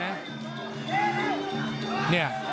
โหโหโห